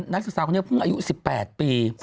นักศึกษาคนนี้เพิ่งอายุ๑๘ปี